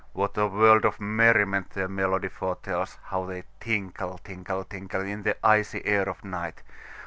What a world of merriment their melody foretells! How they tinkle, tinkle, tinkle, In the icy air of night!